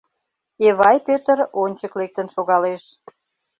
Эвай Пӧтыр ончык лектын шогалеш.